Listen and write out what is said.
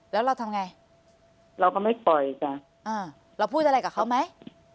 แล้วเราทำไงเราก็ไม่ปล่อยจ้ะอ่าเราพูดอะไรกับเขาไหม